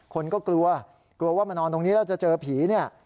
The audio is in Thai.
คนก็กลัวกลัวว่ามานอนตรงนี้แล้วจะเจอผีเนี่ย